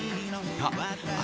あ